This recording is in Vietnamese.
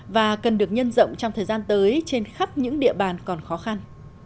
và cần được nhân rộng trong thời gian tới trên khắp những địa bàn còn khó khăn